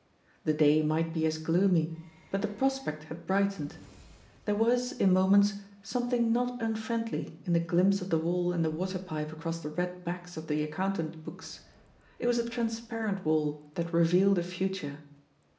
The day might he as gloomy, hut the prospect had hrightened. There was, in mo ments, something not unfriendly in the glimpse of the wall and the water pipe across the red backs of the account books — ^it was a transparent wall that revealed a future.